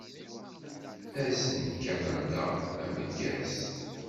Ass n Kanada ameggaz!